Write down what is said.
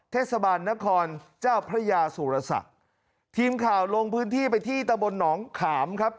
เทศบาลนครเจ้าพระยาสุรศักดิ์ทีมข่าวลงพื้นที่ไปที่ตะบนหนองขามครับ